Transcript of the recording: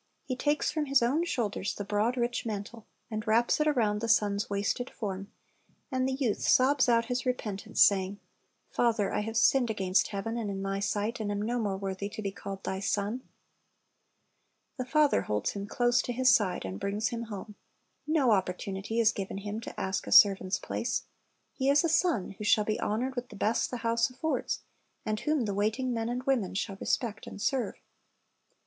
He takes from his own shoulders the broad, rich mantle, and wraps it around the son's 'While he is yet a ^reat ' vay off, his father dis cerns his form. I.ove is 0/ quick sight." 204 Christ's Object Lessons wasted form, and the youth sobs out his repentance, saying, "Father, I have sinned against heaven, and in thy sight, and am no more worthy to be called thy son." The father holds him close to his side, and brings him home. No opportunity is given him to ask a servant's place. He Is a son, who shall be honored with the best the house affords, and whom the waiting men and women shall respect and serve.